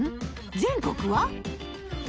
全国は？